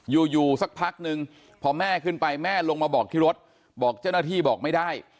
อยู่อยู่สักพักนึงพอแม่ขึ้นไปแม่ลงมาบอกที่รถบอกเจ้าหน้าที่บอกไม่ได้